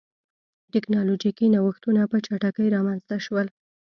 ټکنالوژیکي نوښتونه په چټکۍ رامنځته شول.